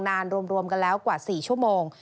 รวมกันแล้วกว่า๔ชั่วโมง